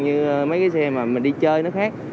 như mấy cái xe mà mình đi chơi nó khác